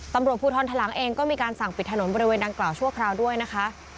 ตำรวจภูทรทะลังเองก็มีการสั่งปิดถนนบริเวณดังกล่าวชั่วคราวด้วยนะคะ